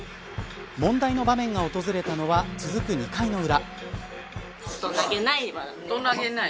問題の場面が訪れたのは続く２回の裏。